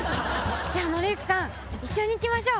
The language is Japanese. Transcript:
じゃあ典幸さん一緒に行きましょう。